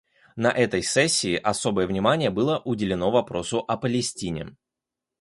На этой сессии особое внимание было уделено вопросу о Палестине.